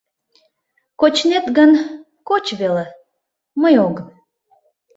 Кочнет гын, коч веле — мый огым...